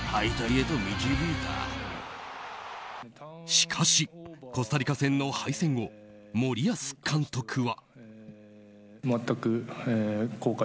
しかし、コスタリカ戦の敗戦後森保監督は。